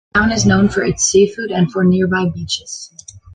The town is known for its seafood and for nearby beaches.